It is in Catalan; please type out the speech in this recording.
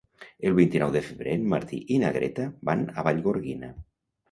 El vint-i-nou de febrer en Martí i na Greta van a Vallgorguina.